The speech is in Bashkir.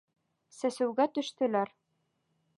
Сәсеүгә төштөләр.